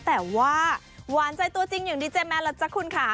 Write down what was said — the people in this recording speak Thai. แต่ว่าหวานใจตัวจริงอย่างดีเจแมนล่ะจ๊ะคุณค่ะ